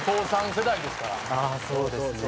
そうですね。